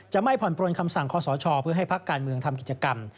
ไม่ผ่อนปลนคำสั่งคอสชเพื่อให้พักการเมืองทำกิจกรรม